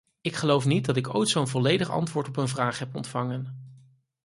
Ik geloof niet dat ik ooit zo’n volledig antwoord op een vraag heb ontvangen.